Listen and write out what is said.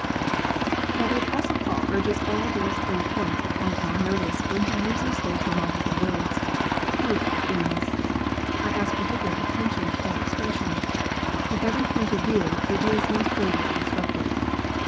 Now the Apostle Paul urges all these three points upon our notice when he uses those remarkable words, " Prove all things." I ask particular attention to that expression. In every point of view it is most weighty and instructive.